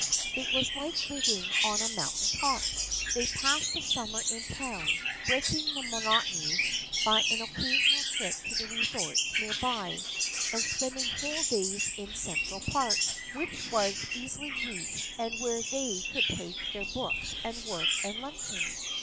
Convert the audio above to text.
It was like living on a mountain top. They passed the summer in town, breaking the monotony by an occasional trip to the resorts near by, and spending whole days in Central Park, which was easily reached and where they could take their books and work and luncheon.